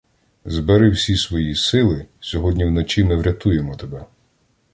Збери всі свої сили, сьогодні вночі ми врятуємо тебе!